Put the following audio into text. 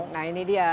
nah ini dia